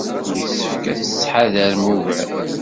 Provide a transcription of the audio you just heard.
Yessefk ad tettḥadarem ugar.